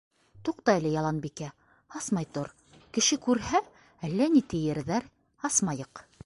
— Туҡта әле, Яланбикә, асмай тор, кеше күрһә, әллә ни тиерҙәр, асмайыҡ.